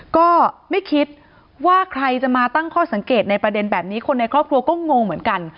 ก็ไม่คิดว่าใครจะมาตั้งข้อสังเกตในประเด็นแบบนี้คนในครอบครัวก็งงเหมือนกัน